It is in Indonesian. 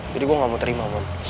jadi gue gak mau terima mon